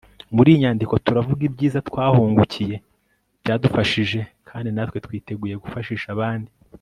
muri iyi nyandiko, turavuga ibyiza twahungukiye, byadufashije kandi natwe twiteguye gufashisha abandi